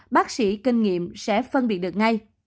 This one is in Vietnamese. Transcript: bác sĩ kinh nghiệm sẽ phân biệt được ngay